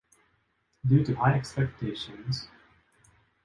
Due to High Expectations...